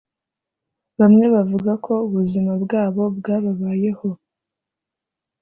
bamwe bavuga ko ubuzima bwabo bwabayeho